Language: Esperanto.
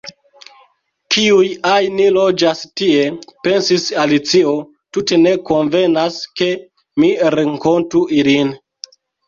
"Kiuj ajn loĝas tie," pensis Alicio, "tute ne konvenas, ke mi renkontu ilin.